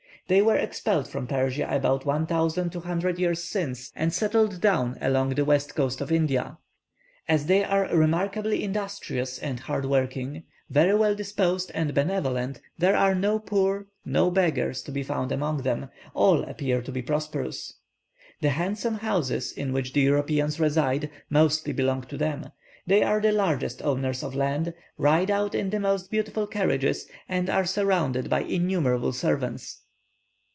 They were expelled from Persia about 1,200 years since, and settled down along the west coast of India. As they are remarkably industrious and hard working, very well disposed and benevolent, there are no poor, no beggars to be found among them all appear to be prosperous. The handsome houses in which the Europeans reside mostly belong to them; they are the largest owners of land, ride out in the most beautiful carriages, and are surrounded by innumerable servants.